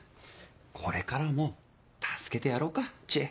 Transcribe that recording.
これからも助けてやろうか知恵。